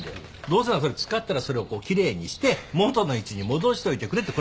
どうせなら使ったらそれを奇麗にして元の位置に戻しといてくれって。